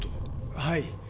はい。